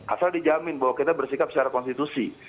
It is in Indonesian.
asal dijamin bahwa kita bersikap secara konstitusi